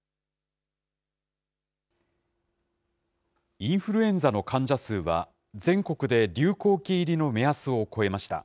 インフルエンザの患者数は、全国で流行期入りの目安を超えました。